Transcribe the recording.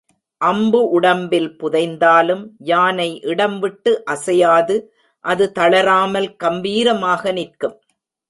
அம்பு உடம்பில் புதைந்தாலும் யானை இடம்விட்டு அசையாது அது தளராமல் கம்பீரமாக நிற்கும்.